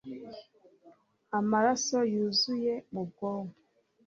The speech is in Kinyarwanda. amaraso yuzura mu bwonko